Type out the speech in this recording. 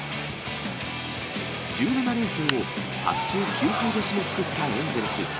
１７連戦を８勝９敗で締めくくったエンゼルス。